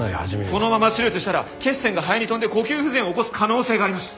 このまま手術したら血栓が肺に飛んで呼吸不全を起こす可能性があります。